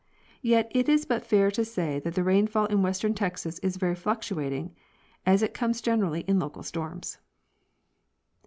Yet it is but fair to say that the rainfall in western Texas is very fluctuating, as it comes generally in local storms.